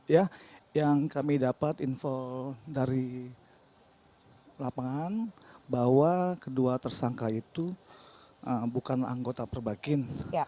ya yang kami dapat info dari lapangan bahwa kedua tersangka itu bukan anggota perbakin